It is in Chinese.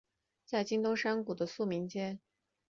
在东京山谷的宿民街。